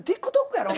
ＴｉｋＴｏｋやろ？